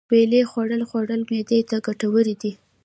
ویلنی خوړل خوړل معدې ته گټور دي.